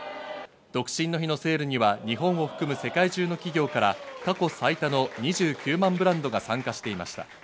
独身の日のセールには日本を含む世界中の企業から過去最多の２９万ブランドが参加していました。